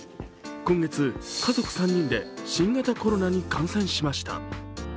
今月、家族３人で新型コロナに感染しました。